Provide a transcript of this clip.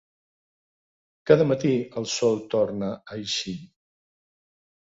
Cada matí el sol torna a eixir.